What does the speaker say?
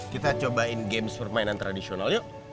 kita cobain games permainan tradisional yuk